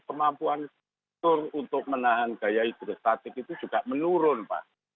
kemampuan struktur untuk menahan gaya hidrostatik itu juga menurun pak